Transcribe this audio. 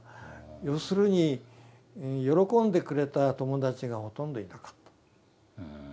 要するに喜んでくれた友達がほとんどいなかった。